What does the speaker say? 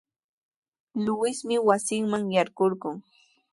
Luismi wasinman yaykurqun.